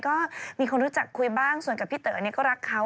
ก็มีคนรู้จักคุยบ้างส่วนกับพี่เต๋อก็รักเขา